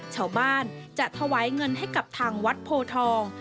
ชาวบ้านจะถวายเงินให้กับทางวัดโพทอง